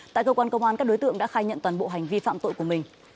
tại cơ quan công an các đối tượng đã khai nhận toàn bộ hành vi phạm tội của mình